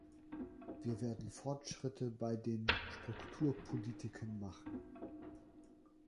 Wir werden Fortschritte bei den Strukturpolitiken machen.